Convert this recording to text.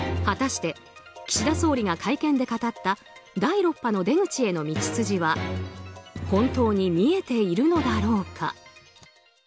果たして岸田総理が会見で語った第６波の出口への道筋は本当に見えているのだろうか。